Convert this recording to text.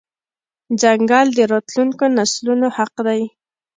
ځنګل د راتلونکو نسلونو حق دی.